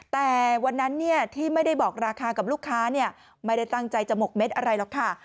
แต่วันนั้นที่ไม่ได้บอกราคากับลูกค้าไม่ได้ตั้งใจจะหมกเม็ดอะไรหรอกค่ะ